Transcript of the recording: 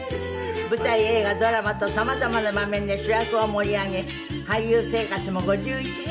舞台映画ドラマと様々な場面で主役を盛り上げ俳優生活も５１年になりました。